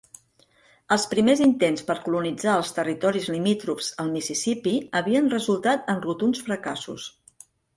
Els primers intents per colonitzar els territoris limítrofs al Mississipí havien resultat en rotunds fracassos.